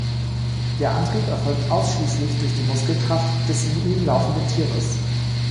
Der Antrieb erfolgt ausschließlich durch die Muskelkraft des in ihm laufenden Tieres.